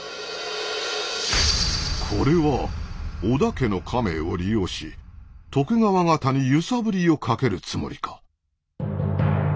これは織田家の家名を利用し徳川方に揺さぶりをかけるつもりか。